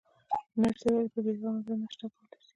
نرسې وویل: په بې غمه زړه ناشته کولای شئ.